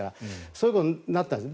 そういうことになったんです。